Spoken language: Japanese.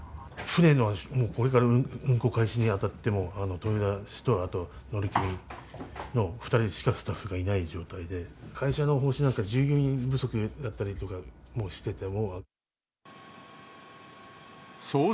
船のこれから運航開始にあたっても、豊田氏と、あと乗組員の２人しかスタッフがいない状態で、会社の方針なのか、従業員不足だったりとかもしてて、もう。